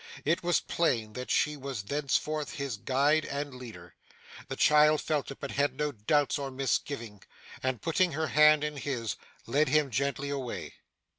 It was plain that she was thenceforth his guide and leader. The child felt it, but had no doubts or misgiving, and putting her hand in his, led him gently away.